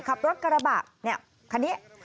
ขับรถกระบะเนี่ยคันนี้